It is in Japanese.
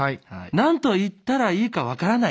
「なんといったらいいかわからない」。